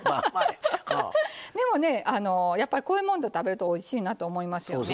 でもねこういうもんと食べるとおいしいなと思いますよね。